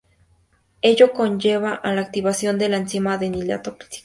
Ello conlleva a la activación de la enzima adenilato ciclasa.